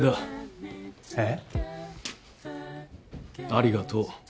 ありがとう。